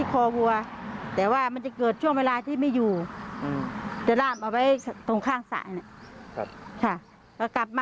เขาบอกว่าเป็นรูปรุนอัดลม